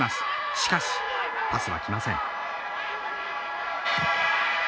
しかしパスは来ません。